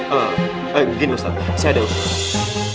eh begini ustaz saya ada usul